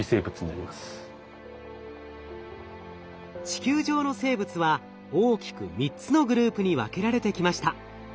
地球上の生物は大きく３つのグループに分けられてきました。